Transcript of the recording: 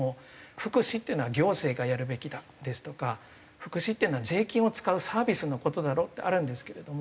「福祉っていうのは行政がやるべきだ」ですとか「福祉っていうのは税金を使うサービスの事だろ」ってあるんですけれども。